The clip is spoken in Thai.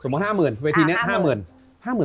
สมมุติ๕๐๐๐๐เวทีเนี่ย๕๐๐๐๐